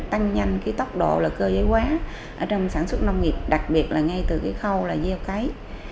tăng nhanh cái tốc độ là cơ giới quá ở trong sản xuất nông nghiệp đặc biệt là ngay từ cái khâu là gieo cấy